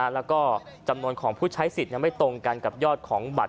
แล้วก็จำนวนของผู้ใช้สิทธิ์ยังไม่ตรงกันกับยอดของบัตร